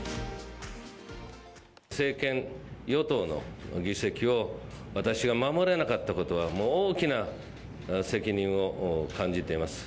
政権与党の議席を、私が守れなかったことは、もう大きな責任を感じています。